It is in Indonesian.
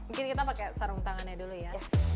mungkin kita pakai sarung tangannya dulu ya